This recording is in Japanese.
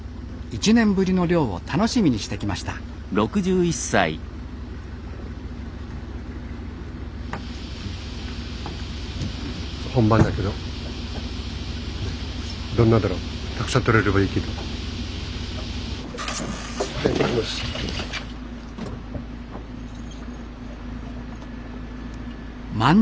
１年ぶりの漁を楽しみにしてきましたじゃいってきます。